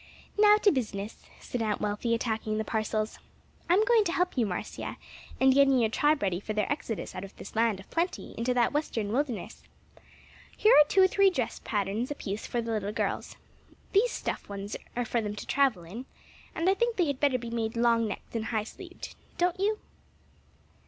"Now to business," said Aunt Wealthy attacking the parcels. "I'm going to help you, Marcia, in getting your tribe ready for their exodus out of this land of plenty into that western wilderness. Here are two or three dress patterns apiece for the little girls. These stuff ones are for them to travel in, and I think they had better be made long necked and high sleeved. Don't you?"